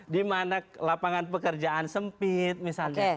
di mana lapangan pekerjaan sempit misalnya